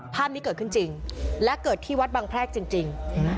ภาพนี้เกิดขึ้นจริงและเกิดที่วัดบังแพรกจริง